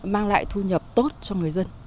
mang lại thu nhập tốt cho người dân